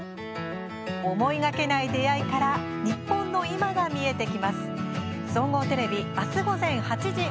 思いがけない出会いから日本の今が見えてきます。